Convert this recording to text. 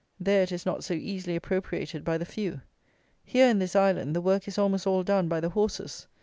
There it is not so easily appropriated by the few. Here, in this island, the work is almost all done by the horses.